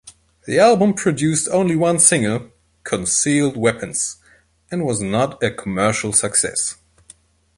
The album produced only one single, "Concealed Weapons", and was not a commercial success.